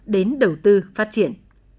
đến đầu tư phát triển